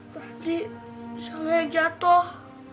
nanti pisangnya jatuh